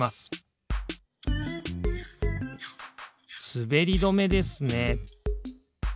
すべりどめですね。